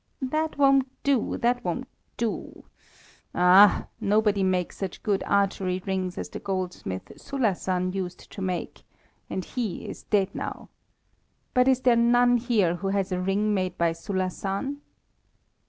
"That won't do, that won't do! Ah! nobody makes such good archery rings as the goldsmith Sulassan used to make, and he is dead now. But is there none here who has a ring made by Sulassan?"